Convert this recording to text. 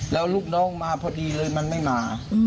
แล้วลูกน้องมาพอดีเลยมันไม่มา